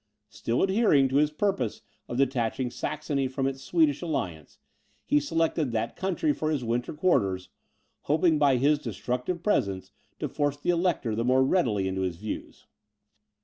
Still adhering to his purpose of detaching Saxony from its Swedish alliance, he selected that country for his winter quarters, hoping by his destructive presence to force the Elector the more readily into his views.